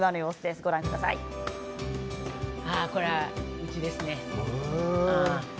これはうちですね。